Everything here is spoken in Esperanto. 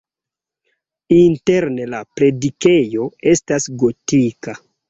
Interne la predikejo estas gotika.